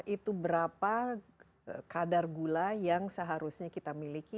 itu berapa kadar gula yang seharusnya kita miliki